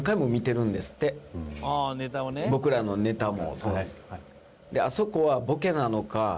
僕らのネタも。